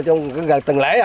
chúng không còn biết gì nữa